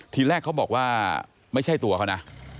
ทีแรกเขาบอกว่าไม่ใช่ตัวเขานะ